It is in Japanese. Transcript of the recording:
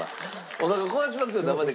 おなか壊しますよ。